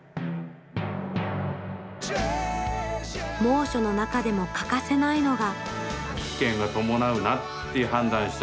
猛暑の中でも欠かせないのが。